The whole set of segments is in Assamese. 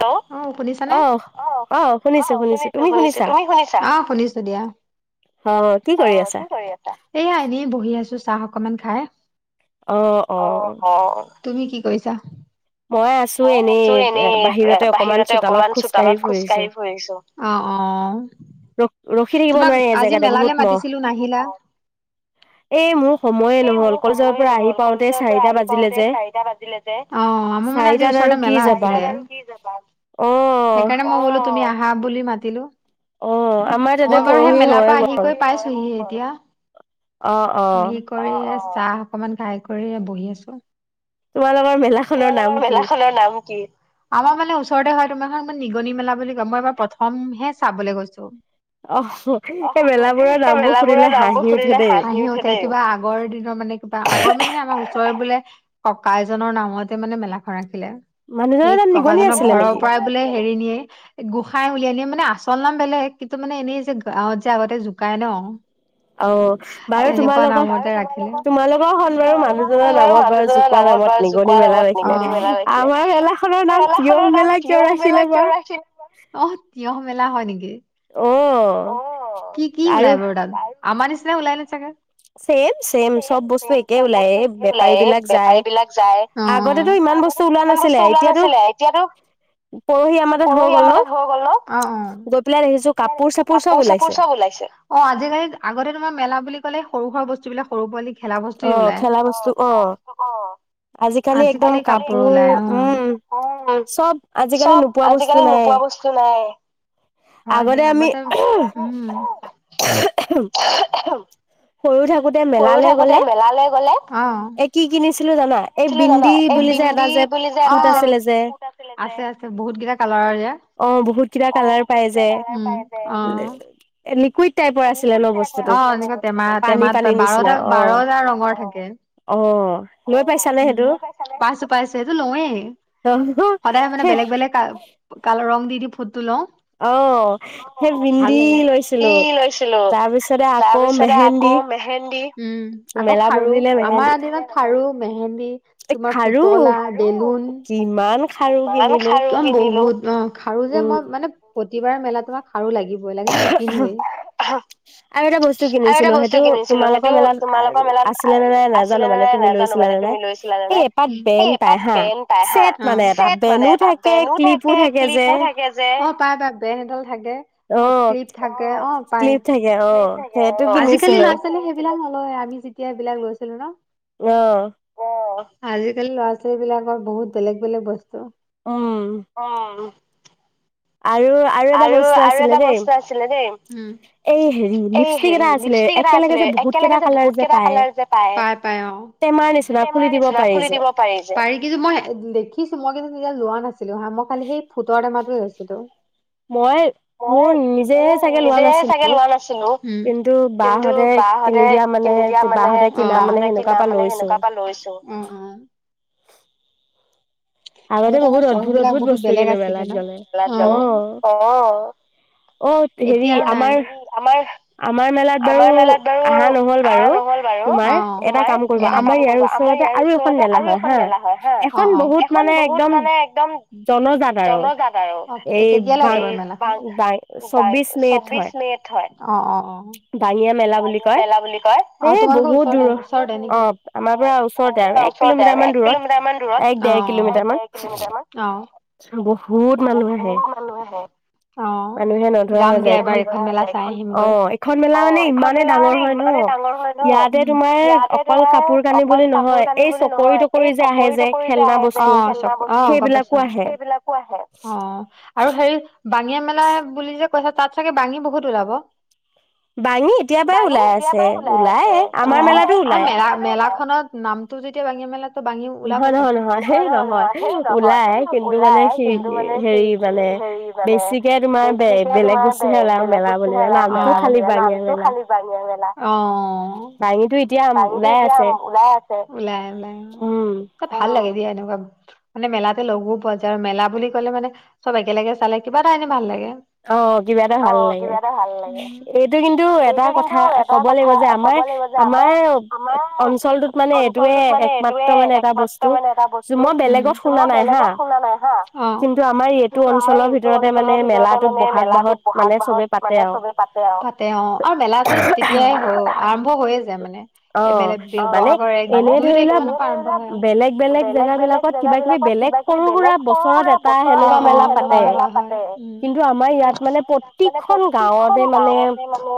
হেল্ল' অ' শুনিছানে অ'। অ', অ', শুনিছো শুনিছো তুমি শুনিছা অ' শুনিছো দিয়া। অ', কি কৰি আছা, এয়া এনে বহি আছো চাহ অকমান খাই। অ', হ তুমি কি কৰিছা? মই আছো এনেই বাহিৰতে অকমান চোতালত খোজকাঢ়ি ফুৰিছো। অ', অ', তোমাক আজি মেলালৈ মাতিছিলো নাহিলা। এই মোৰ সময় এই মোৰ সময়ে নহ'ল কলেজৰ পৰা আহি পাওঁতে চাৰিটা বাজিলে। অ', আমাৰ মানে আজি ওচৰতে মেলা হৈছিলে। সেইকাৰণে মই বোলো তুমি আহা বুলি মাতিলো। মই বাৰু সেই মেলাৰ পৰা আহি কৰি পাইছোহি এতিয়া। অ', অ'। কৰি চাহ অকমান খাই কৰি বহি‌ আছো। তোমালোকৰ মেলাখনৰ নাম কি? আমাৰ মানে ওচৰতে হয় তোমাৰখন মান নিগনি মেলা বুলি কয় মই এবাৰ প্ৰথমহে চাবলৈ গৈছো। অ', সেই মেলাবোৰৰ নামবোৰ শুনিলে হাঁহি উঠে কিবা আগৰ দিনৰ মানে কিবা আগৰ মানে সেই আমাৰ ওচৰৰে বোলে ককা এজনৰ নামতে মানে মেলাখন ৰাখিলে। সেই ককাজনৰ ঘৰৰ পৰা বোলে হেৰি নিয়ে। গোঁসাই উলিয়াই নিয়ে মানে আচল নাম বেলেগ কিন্তু মানে এনেই যে গাঁৱত আগতে জোকাই ন। অ', বাৰু তোমাৰ লগৰ তোমালোকৰ হ'ল বাৰু মানুহজনৰ নামত বাৰু জোকোৱা নামত নিগনি মেলা ৰাখিলে। আমাৰ মেলাখনৰ নাম তিয়হ মেলা কিয় ৰাখিলে বা। অ', তিয়হ মেলা হয় নেকি? অ' কি কি ওলাই বাৰু তাত? আমাৰ নিচিনা ওলাই নে চাগে। ছেম ছেম চব বস্তু একেই ওলাই বেপাৰীবিলাক যায়। আগতেতো ইমান বস্তু ওলোৱা নাছিলে এতিয়াতো এতিয়াতো পৰহি আমাৰ তাত হৈ গ'ল ন অ' অ' গৈ পেলাই দেখিছো কাপোৰ চাপোৰ চব ওলাইছে। অ', আজিকালি আগতে তোমাৰ মেলা বুলি ক'লে সৰু সুৰা বস্তুবিলাক সৰু পোৱালী খেলা বস্তুয়ে ওলাই অ' খেলা বস্তু অ'। আজিকালি কাপোৰ ওলাই উম চব। আজিকালি নোপোৱা বস্তু নাই। হয়, দিয় আগতে উম। সৰু থাকোতে সৰু থাকোতে মেলালৈ গ'লে অ'। কি কিনিছিলো জানা? কি কিনিছিলো জানা এই বিন্দি বুলি যে এটা ফুট আছিলে অ' আছে আছে বহুত কেইটা কালাৰৰ যে। অ', বহুতকেইটা কালাৰ পাই যে উম অ'। লিকুইট টাইপৰ অ' এনেকুৱা টেমা টেমাত বাৰটা বাৰটা ৰঙৰ থাকে। অ লৈত পাইছো পাইছো এইটো লওয়েই সদায় মানে বেলেগ বেলেগ কাল কালৰ ৰং দি দি ফুটটো লওঁ অ সেই বিন্ধি লৈছিলো ছিলো তাৰ পিছতে আকৌ মেহেন্দি উম আকৌ খাৰু আমাৰ দিনত খাৰু মেহেন্দী তোমাৰ পুতলা বেলুন ইমান কিমান খাৰু কিনিলো অ বহুত অ খাৰু যে মই মানে প্ৰতিবাৰ মেলাত তোমাৰ খাৰু লাগিবই লাগিলে নিপিন্ধোৱেই আৰু এটা বস্তু কিনিছিলো সেইটো তোমালোকৰ মেলাত আছিলে নে নাই নাজানো মানে তুমি লৈছ উম এ এটা তেন পাই হা অ চেট মানে এটা বেনো থাকে ক্লিপো থাকে যে অ পায় পায় বেন এডাল থাকে ক্লিপ থাকে অ পাই ক্লিপ থাকে হয় আজিকালি ল'ৰা ছোৱালী সেইবিলাক নলয় আমি যি এই বিলাক লৈছিলো ন অ অ আজিকালি ল'ৰা ছোৱালী বিলাকৰ বহুত বেলেগ বেলেগ বস্তু উম অউম আৰু আৰু আৰু এটা বস্তু আছিলে দেই হুম এই হেৰি লিপষ্টিক এটা আছিলে একেলগে যে বহুত কেইটা কালাৰ যে পায় পায় পায় অ টেমাৰ নিচিনা খুলি দিব পাৰি যে পাৰি যে পাৰি কিন্তু মই দেখিছো মই কিন্তু তেতিয়া লোৱা নাছিলো হা মই খালি সেই ফুটৰ টেমাটো লৈছিলো মই মোৰ নিজেহে চাগে লোৱা নাছিলো কিন্তু বাহঁতে কিনি দিয়া মানে বা হতে কিনা মানে সেনকা এটা লৈছো অ অ আগতে আমাৰ চখ বিলাক বহুত বেলেগ আছিলে ন অ এতিয়া আৰু নাই আমাৰ আমাৰ মেলাত বাৰু আহা নহল বাৰু তোমাৰ এটা কাম কৰিবা আমাৰ ইয়াৰ ওচৰতে আৰু এখন মেলা হয় হা এখন বহুত মানে একদম জনাজাত আৰু অ কেতিয়ালে মানে মেলাখন বাই চৌবিশ মেত হয় অ অ দায়িয়েল বাঙীয়া মেলা বুলি কয় অ তোমালোকৰ ওচৰতে ওচৰতে নেকি অ ওচৰতে আৰু এক কিলোমিটাৰ মান দূৰত অ এক দেৰ কিলোমিটাৰ মান অ বহুত মানুহ আহে অ যাম দিয়া এবাৰ এইখন মেলাত চাই আহিমগৈ অ এইখন মেলা মানে ইমানে ডাঙৰ হয় ন ইয়াতে তোমাৰ অকল কাপোৰ কানি বুলি নহয় এই চকৰি তকৰি যে আহে যে অ অ চ অ গম পাইছো অ সেইবিলাকো আহে অ আৰু হেৰি বাঙিয়া মেলা বুলি যে কৈছা তাত চাগে বাঙি বহুত ওলাব বাঙি এতিয়া পাই ওলাই আছে উলায়েই আমাৰ মেলাতো ওলাই মেলা খনত নামটো যেতিয়া বাঙিয়া মেলা বাঙি ওলাব চাগে নহয় নহয় নহয় হে নহয় ওলাই কিন্তু মানে সে হেৰি মানে বেছিকে তোমাৰ বে বেলেগ বস্তুহে ওলাই মেলা বহিলে নামটো খালি বাঙিয়া মেলা ও বানী এতিয়া ওলাই আছে ওলাই, ওলাই। উম। ভাল লাগে দিয়া এনেকুৱা। মেলাতে লগোও পোৱা যায় আৰু মেলা বুলি ক'লে মানে চব একেলগে চালে কিবা এটা এনে ভাল লাগে। অ', কিবা এটা ভাল লাগে এই এই কিন্তু এটা কথা ক'ব লাগিব যে আমাৰ আমাৰ অঞ্চলটোত মানে এইটোয়ে একমাত্ৰ মানে এটা বস্তু মই বেলেগত শুনা নাই হা কিন্তু আমাৰ এইটো অঞ্চলৰ ভিতৰতে মানে মেলাত মানে মেলাটো ব'হাগ মাহত মানে চবে পাতে আৰু। তে অ', আৰু মেলা তেতিয়াই হ আৰম্ভ হৈ ব'হাগৰ এক দুই তাৰিখৰ মানৰ পৰা আৰাম্ভ হয়। বেলেগ জেগা বিলাকত কিবা কিবি বেলেগ সৰু সুৰা বছৰত সেনেকুৱা মেলা পাতে। তাত মানে প্ৰতিখন গাঁৱতে মানে,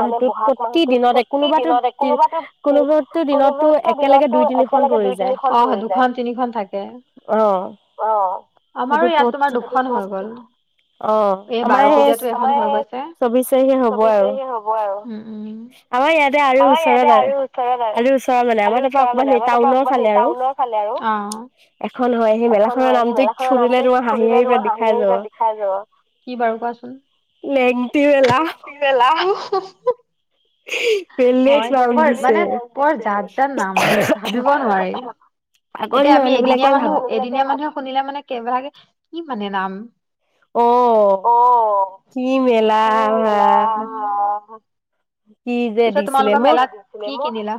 মানে ব'হাগত প্ৰতি দিনতে কোনোবাতো কোনোবো দিনতো একেলগে দুই তিনিখন তিনিখন থাকে অ', আমাৰো ইয়াত তোমাৰ দুখন হৈ গ'ল। এই বাৰ পূজীয়াতো এখন হৈ গৈছে। চৌবিশ তাৰিখে চৌবিশ তাৰিখে হ'ব আৰু। আমাৰ ইয়াত আৰু ওচৰৰত আৰু ওচৰৰত মানে আমাৰ তাৰপা অকমান হে টাউনৰ ফালে আৰু। এখন হয় সেই মেলাখনৰ নামটো শুনিলে তোমাৰ হাঁহি, হাঁহি পেট বিষাই যাব। হেল্ল' কি বাৰু কোৱাচোন? উ। হয় দিয়াক বৰ মানে বৰ যাত, যাত নাম ভাবিব নোৱাৰি। এতিয়া আমি এদিনীয়া মানুহ, এদিনীয়া মানুহে শুনিলে মানে কেভাগে কি মানে নাম। অ', কি মেলা বা কি? পিছত তোমালোক মেলেত কি কিনিলা?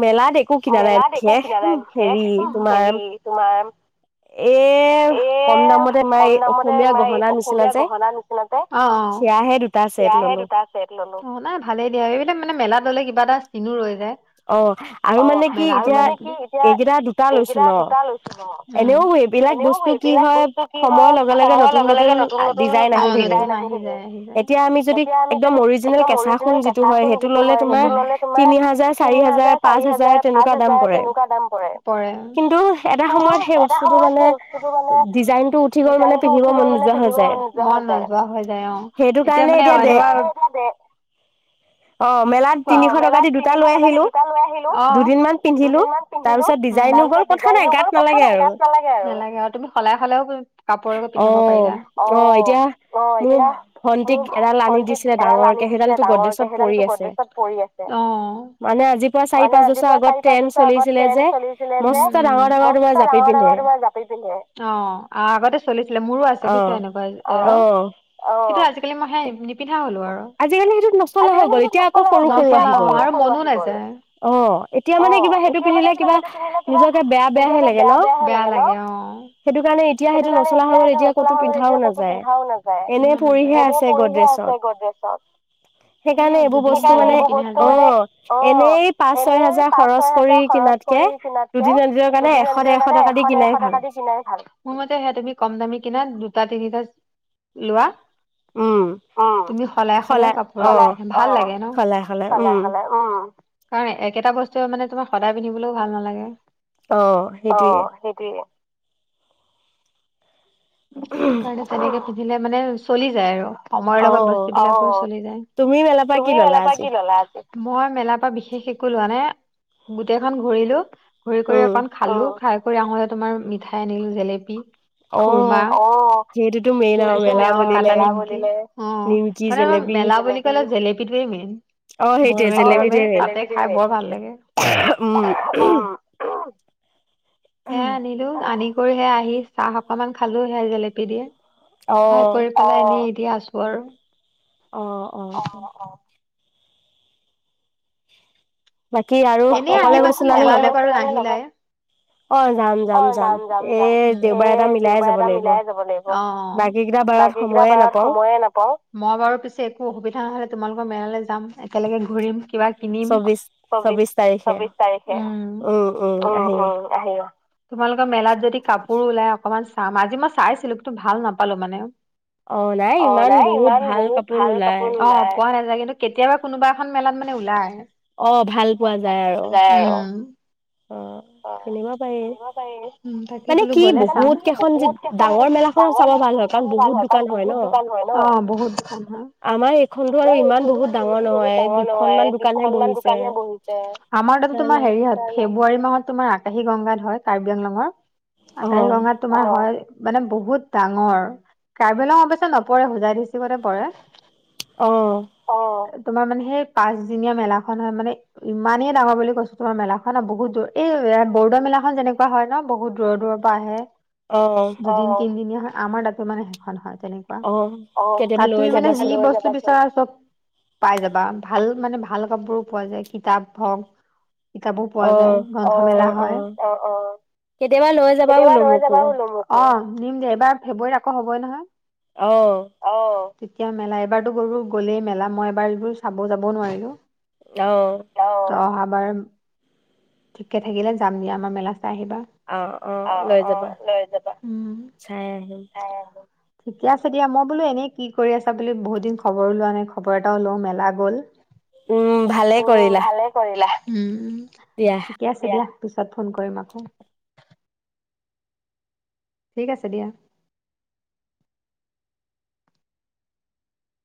মেলাত একো কিনা নাই বিঠেম হেৰি তোমাৰ এ কমদামত পাই অসমীয়া গহনাৰ নিচিনা যে অ', সেয়াহে দুটা অ', নাই ভালেই দিয়া এইবিলাক মানে মেলাত ললে কিবা এটা চিনো ৰৈ যায়। অ', আৰু মানে কি এতিয়া এইকেইটা দুটা লৈছিলোঁ। এনেও এইবিলাক বস্তু কি হয় সময়ৰ লগে, লগে নতুন, নতুন আহি যায়। এতিয়া আমি যদি একদম অৰিজিনেল কেঁচা সোণ যিটো হয় সেইটো ল'লে তোমাৰ তিনি হাজাৰ চাৰি হাজাৰ পাঁচ হাজাৰ তেনেকুৱা দাম পৰে কিন্তু এটা সময়ত হে মানে ডিজাইন টো উঠি গ'ল পিন্ধিব মন নোযোৱা হৈ যায় অ'। এতিয়া মানে এনেকুৱা অ', মেলাত অ', মেলাত তিনিশ টকা মই এতিয়া দোকানলৈ আহিলোঁ, আহ' দুদিন মান পিন্ধিলো, তাৰ পিছত ডিজাইন কোনো কথা নাই তাত নালাগে আৰু, নালাগে আৰু তুমি সলাই সলাইও কাপোৰকে পিন্ধিব পাৰিবা, অহ'। অ', এতিয়া মোক ভন্টিক এডাল আনি দিছিলে ডাঙৰকে, সেইডালটো গদেশত পৰি আছে অহ'। মানে আজি পৰা চাৰি পাঁচ বছৰ আগত ট্ৰেইন চলিছিলে যে উম উম মস্ত ডাঙৰ ডাঙৰ তোমাৰ যা চলিছিলে অ' আগতে চলিছিলে মোৰো আছে বুজিছা এনেকুৱা এযোৰ। অহ' কিন্তু আজিকালি মই সেয়া নিপিন্ধা হ'লো আৰু। আজিকালি সেইটো নচলা হৈ গ'ল, এতিয়া আকৌ সৰু সৰু আহি গ'ল অহ'। অ' এতিয়া মানে কিবা সেইটো পিন্ধিলে কিবা নিজকে বেয়া বেয়াহে লাগে ন বেয়া লাগে অহ'। সেইটো কাৰণে এতিয়া সেইটো নচলা হৈ গল এতিয়া ক'তো পিন্ধাও নাযায় পিন্ধা নাযায় এনে পৰিহে আছে গদ গদেচত। সেইকাৰণে এইবোৰ বস্তু মানে অহ এনেই পাঁচ ছয় হাজাৰ খৰচ কৰি কিনাত কে দুদিন এদিনৰ কাৰণে এশ দেৰশ টকা দি কিনাই ভাল। বৰ ভাল মোৰ মতে সেয়া তুমি কম দামী কিনা দুটা তিনিটা লোৱা উম। অ তুমি সলাই সলাই কাপোৰ সলাই অ ভাল লাগে ন। সলাই সলাই অ কাৰণ একেটা বস্তুৱে মানে তোমাৰ সদায় পিন্ধিবলৈও ভাল নালাগে অ' সেইটোয়ে। সেইটো কাৰণে তেনেকে পিন্ধিলে মানে চলি যায় আৰু। সময়ৰ লগত বস্তু বিলাকো অ চলি যায়, তুমি মেলা পৰা কি ল'লা আজি। মই মেলাৰ পৰা বিশেষ একো লোৱা নাই গোটেইখন ঘূৰিলো ঘূৰি কৰি অকণ খালো অ খাই কৰি আহোঁতে তোমাৰ মিঠাই আনিলো জেলেপি অহ বা অহ তাৰপিছতে অ' মানে মেলা বুলিলে অ মেলা বুলি ক'লে জেলেপিটোৱে মেইন। গৰমে গৰমে তাতে খাই বৰ ভাল লাগে অহ সেয়াই আনিলো আনি কৰি সেয়াই আহি চাহ অকমান খালো সেই জেলেপি দিয়ে খাই কৰি অহ' এনে এতিয়া আছো আৰু। অ অ এনেই আহিবাচোন মেলাত এবাৰো নাহিলাই। অ' যাম যাম যাম উম এই দেওবাৰ এটা মিলাই যাব লাগিব। অহ বাকীকেইটা বাৰত সময়ে নাপাও। মই বাৰু পিছে একো অসুবিধা নহ'লে তোমালোকৰ মেলালৈ যাম একেলগে ঘূৰিম কিবা কিনিম ছাব্বিশ ছাব্বিশ তাৰিখে উম উম উম আহিবা তোমালোকৰ মেলাত যদি কাপোৰো ওলাই, অকমান চাম আজি মই চাইছিলো কিন্তু ভাল নাপালো মানে। অ' নাই ইমান বহুত ভাল কাপোৰ নাই অ পোৱা নাযায় কিন্তু। কেতিয়াবা কোনোবা এখন মেলাত মানে ওলাই। অহ' ভাল পোৱা যায় আৰু। অ উম। অহ'। অহ' কেনেকুৱা পাই তাকে বোলো গ'লে চাম সিহঁতৰ থাকি বহুত কেইখন ডাঙৰ মেলাখনত চাব ভাল হয়, কাৰণ বহুত দোকান হয় ন অহ' বহুত দোকান হয়। আমাৰ এইখন মেলাত ইমান বহুত ডাঙৰ নাই দুখনমান দোকানহে বহি ছে আমাৰ তাতে তোমাৰ হেৰিয়ত ফেব্ৰুৱাৰী মাহত তোমাৰ আকাশী গংগাত হয় কাৰ্বি আংলঙৰ। আকাশী গংগাৰ তোমাৰ হয় মানে বহুত ডাঙৰ। কাৰ্বি আংলঙত অৱশ্যে নপৰে, হোজাই ডিষ্ট্ৰিকতে পৰে। অহ অ' তোমাৰ মানে সেই পাঁচদিনীয়া মেলাখন হয় মানে। ইমানেই ডাঙৰ বুলি কৈছোঁ মেলাখন, অ' বহুত দূৰ এই ইয়াত বৰদোৱা মেলাখন যেনেকুৱা হয় ন বহুত দূৰৰ দূৰৰ বাঢ়ে, দুদিন তিনদিনীয়া হয়, আমাৰ তাতো মানে সেইখন হয় তেনেকে। কোৱা, অ' খাটোৰি মানে যি বস্তু বিচাৰ চ'ব পায় যাবা। ভাল মানে ভাল কাপোৰো পোৱা যায়। কিতাপ হওঁক। কিতাপো পোৱা যায়। গন্থ মেলা হয় অ' অ' কেতিয়াবা লৈ যাবা বোলো মোক। অ' নিম দে, এবাৰ ফেব্ৰুৱাৰীত আকৌ হবই নহয়। অ' অ' তেতিয়া মেলা এইবাৰতো গলোঁ গ'লেই, মেলা মই এবাৰ এইবোৰ চাব যাবও নোৱাৰিলোঁ। অ'। অহাবাৰ ঠিকে থাকিলে যাম দিয়া, আমাৰ মেলা চাই আহিবা। অ' অ' লৈ যাবা। ঠিকে আছে দিয়া। মই বোলোঁ এনেই কি কৰি আছা বুলি বহুত দিন খবৰ ওলোৱা নাই, খবৰ এটাও লওঁ মেলা গ'ল। উম, ভালে কৰিলা। ভালে কৰিলা উম'। দিয়া। ঠিকে আছে দিয়া, পিছত ফোন কৰিম আকৌ। ঠিক আছে দিয়া।